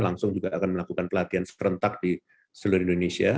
langsung juga akan melakukan pelatihan serentak di seluruh indonesia